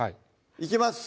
いきます